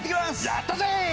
やったー！